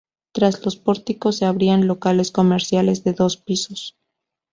Tras los pórticos se abrían locales comerciales de dos pisos.